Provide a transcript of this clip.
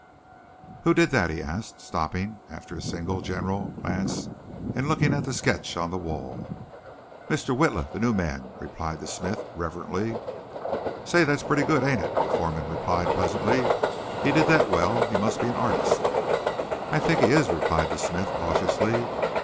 "Who did that?" he asked, stopping after a single general, glance and looking at the sketch on the wall. "Mr. Witla, the new man," replied the smith, reverently. "Say, that's pretty good, ain't it?" the foreman replied pleasantly. "He did that well. He must be an artist." "I think he is," replied the smith, cautiously.